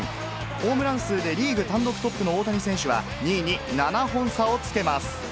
ホームラン数でリーグ単独トップの大谷選手は、２位に７本差をつけます。